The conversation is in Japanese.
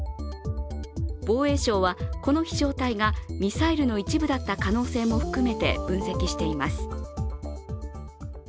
防衛省はこの飛翔体がミサイルの一部だった可能性も含めて分析しています。